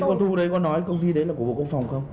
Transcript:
cái câu thu đấy có nói công ty đấy là của bộ quốc phòng không